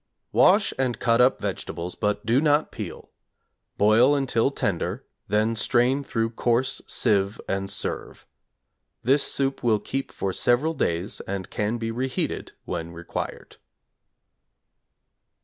Wash and cut up vegetables, but do not peel. Boil until tender, then strain through coarse sieve and serve. This soup will keep for several days and can be reheated when required.